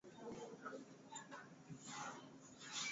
ti huo ambapo nchi hiyo iko katika mchakato wa kura ya maoni